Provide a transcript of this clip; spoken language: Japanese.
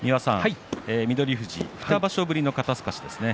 翠富士、２場所ぶりの肩すかしですね。